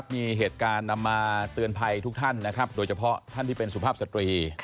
มีเหตุการณ์นำมาเตือนภัยทุกท่านนะครับโดยเฉพาะท่านที่เป็นสุภาพสตรี